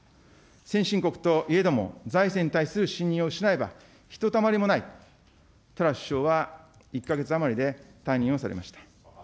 先進国といえども、財政に対する信用を失えば、ひとたまりもない、トラス首相は１か月余りで退任をされました。